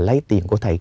lấy tiền của thầy